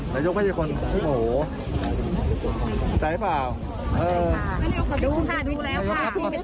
นายกก็จะคนโอ้โหใส่เปล่าเออดูค่ะดูแล้วค่ะ